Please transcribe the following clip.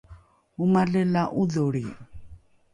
omale la ’odholri